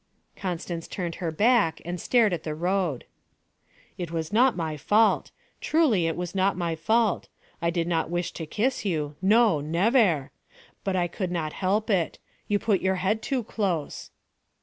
Constance turned her back and stared at the road. 'It was not my fault. Truly it was not my fault. I did not wish to kiss you no nevair. But I could not help it. You put your head too close.'